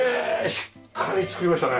しっかり作りましたね。